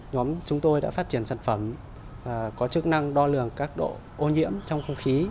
nhóm chúng tôi đã phát triển sản phẩm và có chức năng đo lường các độ ô nhiễm trong không khí